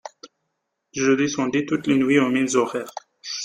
Je descendais toutes les nuits aux mêmes horaires.